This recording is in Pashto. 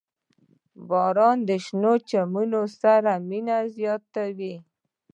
• باران د شنو چمنونو سره مینه زیاتوي.